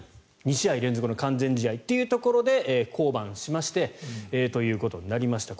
２試合連続の完全試合というところで降板しましてとなりました。